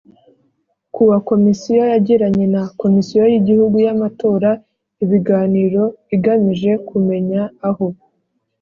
Ku wa Komisiyo yagiranye na Komisiyo y Igihugu y Amatora ibiganiro igamije kumenya aho